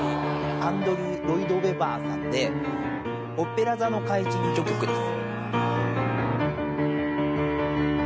アンドリュー・ロイド・ウェバーさんで、オペラ座の怪人序曲です。